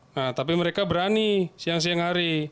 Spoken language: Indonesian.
nah tapi mereka berani siang siang hari